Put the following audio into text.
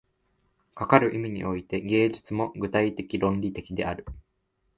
かかる意味において、芸術も具体的論理的である。